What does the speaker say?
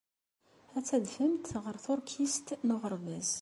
Ad tadfemt ɣer tuṛkist n uɣerbaz.